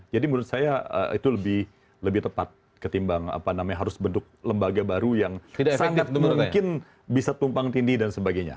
jadi menurut saya itu lebih tepat ketimbang apa namanya harus bentuk lembaga baru yang sangat mungkin bisa tumpang tindih dan sebagainya